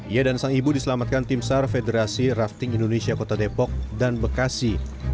ia dan sang ibu diselamatkan tim sar federasi rafting indonesia kota depok dan bekasi